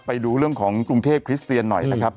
ไปดูเรื่องของกรุงเทพคริสเตียนหน่อยนะครับ